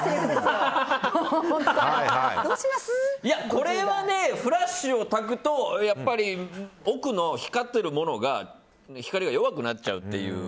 これはフラッシュをたくと奥の光っているものの光が弱くなっちゃうという。